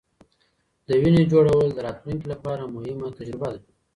د وینې جوړول د راتلونکې لپاره مهمه تجربه ده.